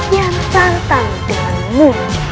yang tantang denganmu